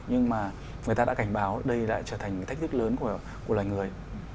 nhưng mà người ta đã cảnh báo đây lại trở thành thách thức lớn của loài người